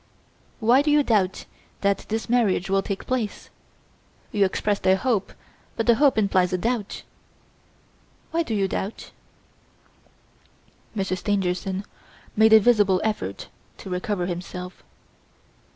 Why do you doubt that this marriage will take place? You expressed a hope; but the hope implies a doubt. Why do you doubt?" Monsieur Stangerson made a visible effort to recover himself.